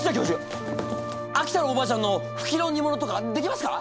秋田のおばあちゃんのフキのにものとかできますか！？